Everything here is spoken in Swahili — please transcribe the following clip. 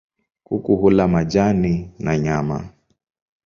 Kuku hula majani na nyama.